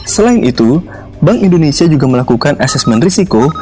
selain itu bank indonesia juga melakukan asesmen risiko